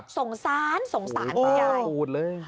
สงสารสงสารคุณยาย